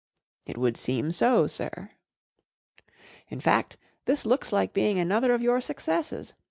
r It would seem so, sir/' " In fact* this looks like being another of your successes.